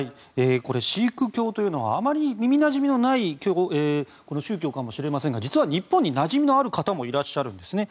シーク教というのはあまり耳なじみのない宗教かもしれませんが実は日本になじみのある方もいらっしゃるんですね。